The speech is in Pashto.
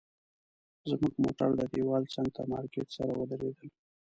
زموږ موټر د دیوال څنګ ته مارکیټ سره ودرېدل.